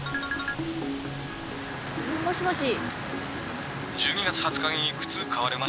もしもし。